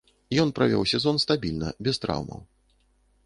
Ён правёў сезон стабільна, без траўмаў.